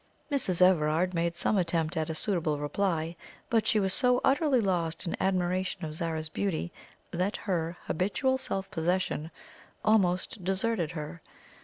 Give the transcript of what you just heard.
Mrs. Everard made some attempt at a suitable reply, but she was so utterly lost in admiration of Zara's beauty, that her habitual self possession almost deserted her.